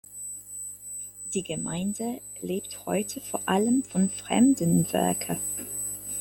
Die Gemeinde lebt heute vor allem vom Fremdenverkehr.